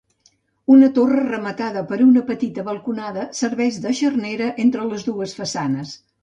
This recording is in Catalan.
Una torre rematada per una petita balconada serveix de xarnera entre les dues façanes.